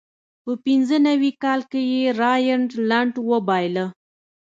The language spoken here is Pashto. په پینځه نوي کال کې یې راینلنډ وبایله.